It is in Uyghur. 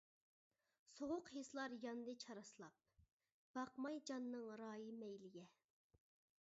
سوغۇق ھېسلار ياندى چاراسلاپ، باقماي جاننىڭ رايى-مەيلىگە.